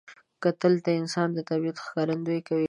کتل د انسان د طبیعت ښکارندویي کوي